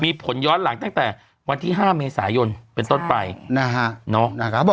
มีผลย้อนหลังตั้งแต่วันที่๕เมษายนเป็นต้นไปนะฮะ